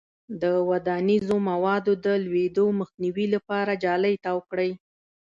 د ودانیزو موادو د لویدو مخنیوي لپاره جالۍ تاو کړئ.